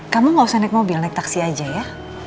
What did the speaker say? kamu gak usah naik mobil naik taksi aja ya